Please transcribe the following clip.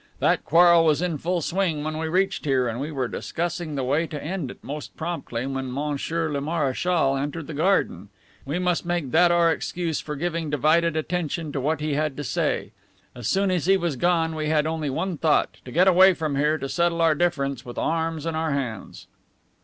That quarrel was in full swing when we reached here and we were discussing the way to end it most promptly when monsieur le marechal entered the garden. We must make that our excuse for giving divided attention to what he had to say. As soon as he was gone we had only one thought, to get away from here to settle our difference with arms in our hands."